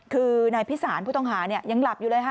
คือนายพิสารผู้ต้องหายังหลับอยู่เลยค่ะ